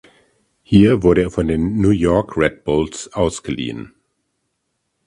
Hier wurde er von den New York Red Bulls ausgeliehen.